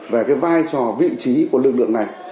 về cái vai trò vị trí của lực lượng này